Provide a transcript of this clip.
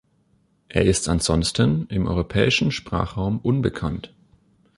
Er ist ansonsten im Europäischen Sprachraum unbekannt.